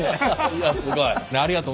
いやすごい。